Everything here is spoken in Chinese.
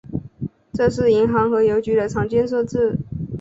这是银行和邮局的常见设置。